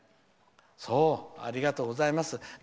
ありがとうございます。